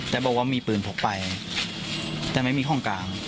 แต่บอกว่ามีปืนพกไปแต่ไม่มีห้องกลาง